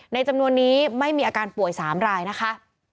จำนวนนี้ไม่มีอาการป่วย๓รายนะคะ